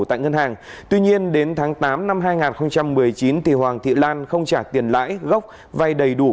tại ngân hàng tuy nhiên đến tháng tám năm hai nghìn một mươi chín hoàng thị lan không trả tiền lãi gốc vay đầy đủ